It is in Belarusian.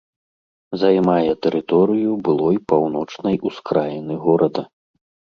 Займае тэрыторыю былой паўночнай ускраіны горада.